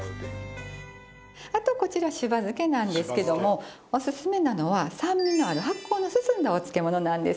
あとこちらしば漬けなんですけどもオススメなのは酸味のある発酵の進んだお漬物なんです。